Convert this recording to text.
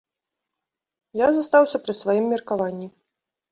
Я застаўся пры сваім меркаванні.